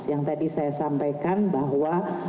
yang tadi saya sampaikan bahwa